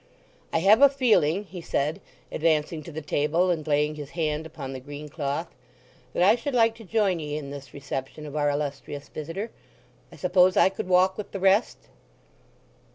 "I have a feeling," he said, advancing to the table and laying his hand upon the green cloth, "that I should like to join ye in this reception of our illustrious visitor. I suppose I could walk with the rest?"